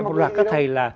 một loạt các thầy là